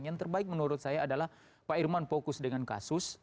yang terbaik menurut saya adalah pak irman fokus dengan kasus